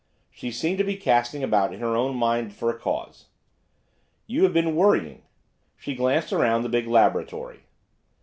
She seemed to be casting about in her own mind for a cause. 'You have been worrying.' She glanced round the big laboratory.